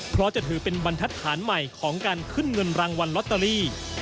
เพราะจะถือเป็นบรรทัศน์ใหม่ของการขึ้นเงินรางวัลลอตเตอรี่